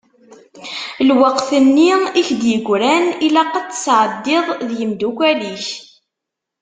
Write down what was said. Lweqt-nni i k-d-yegran, ilaq ad t-tsεeddiḍ d yimdukal-ik.